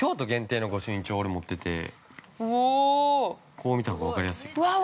◆こう見たほうが分かりやすいか。